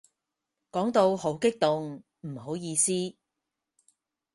講到好激動，唔好意思